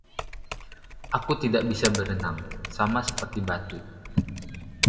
Aku tidak bisa berenang, sama seperti batu.